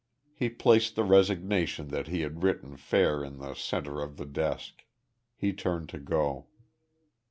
He placed the resignation that he had written fair in the center of the desk. He turned to go.